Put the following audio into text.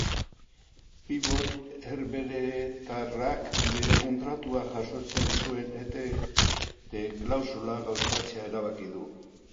Pibot herbeheretarrak bere kontratuak jasotzen zuen etete-klausula gauzatzea erabaki du.